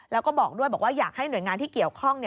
แล้วก็บอกด้วยบอกว่าอยากให้หน่วยงานที่เกี่ยวข้อง